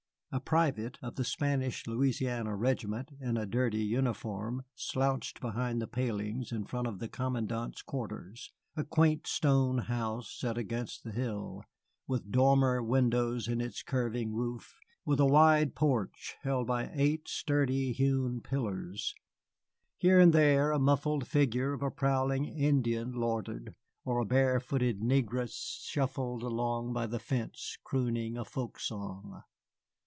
A private of the Spanish Louisiana Regiment in a dirty uniform slouched behind the palings in front of the commandant's quarters, a quaint stone house set against the hill, with dormer windows in its curving roof, with a wide porch held by eight sturdy hewn pillars; here and there the muffled figure of a prowling Indian loitered, or a barefooted negress shuffled along by the fence crooning a folk song.